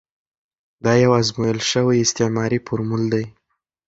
دا یو ازمویل شوی استعماري فورمول دی.